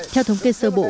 theo thống kê sơ bộ